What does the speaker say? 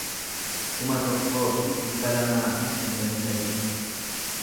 kuma tokkoo fi dhibba lamaa fi shantamii sadii